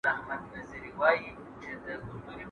¬ ډېري خبري د کتاب ښې دي.